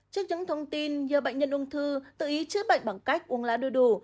trước những thông tin nhiều bệnh nhân ung thư tự ý chữa bệnh bằng cách uống lá đuôi đủ